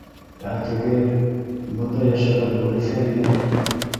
- Ә теге... бында йәшәгән Мөғлифә инәй...